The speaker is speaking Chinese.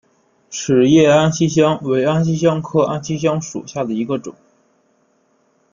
齿叶安息香为安息香科安息香属下的一个种。